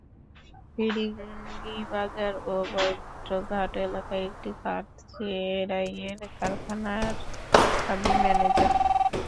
ফিরিঙ্গিবাজার অভয় মিত্র ঘাট এলাকায় একটি কাঠ চেরাইয়ের কারখানার আমি ম্যানেজার।